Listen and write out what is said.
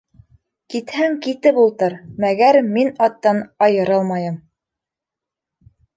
Китһәң, китеп ултыр, мәгәр мин аттан айырылмайым!